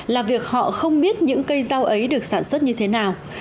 là việc họ không biết những cây rau ấy được sản xuất như thế nào